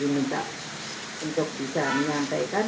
minta untuk bisa menyampaikan